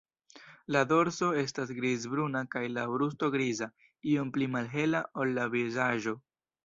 La dorso estas grizbruna kaj la brusto griza, iom pli malhela ol la vizaĝo.